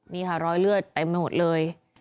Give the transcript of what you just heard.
นี่ค่ะรอยเลือดเต็มไปหมดเลย